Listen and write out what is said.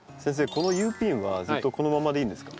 このＵピンはずっとこのままでいいんですか？